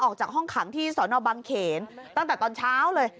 ออกจากห้องขังที่สอนอบังเขนตั้งแต่ตอนเช้าเลย